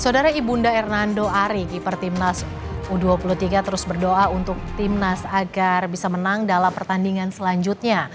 saudara ibunda hernando ari keeper timnas u dua puluh tiga terus berdoa untuk timnas agar bisa menang dalam pertandingan selanjutnya